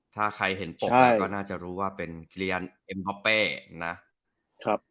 ถ้าใครเห็นโปรดก็น่าจะรู้ว่าเป็นกิริยานเอ็มพอเปนะ